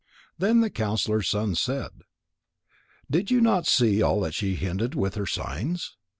Then the counsellor's son said: "Did you not see all that she hinted with her signs?